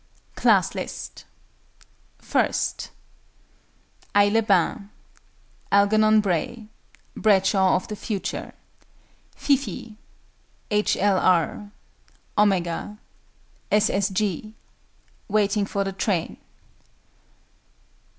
CLASS LIST. I. AIX LES BAINS. ALGERNON BRAY. BRADSHAW OF THE FUTURE. FIFEE. H. L. R. OMEGA. S. S. G. WAITING FOR THE TRAIN.